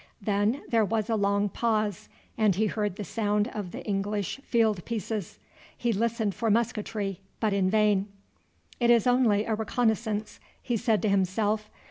Then there was a long pause, and he heard the sound of the English field pieces. He listened for musketry, but in vain. "It is only a reconnaissance," he said to himself.